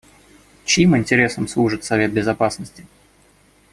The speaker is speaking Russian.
Чьим интересам служит Совет Безопасности?